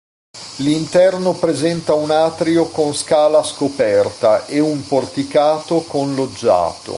L'interno presenta un atrio con scala scoperta e un porticato con loggiato.